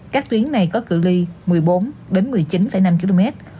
các tuyến này có cửa ly một mươi bốn một mươi chín năm km